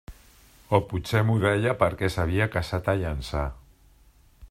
O potser m'ho deia perquè s'havia casat a Llançà.